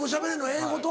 英語と？